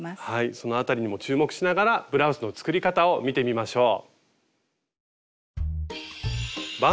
その辺りにも注目しながらブラウスの作り方を見てみましょう。